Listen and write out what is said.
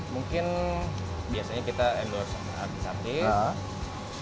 mungkin biasanya kita endorse artis artis